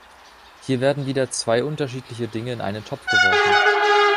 Hier werden wieder zwei unterschiedliche Dinge in einen Topf geworfen.